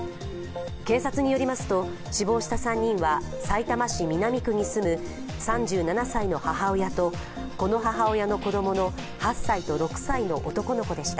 警察によりますと、死亡した３人はさいたま市南区に住む３７歳の母親と、この母親の子供の８歳と６歳の男の子でした。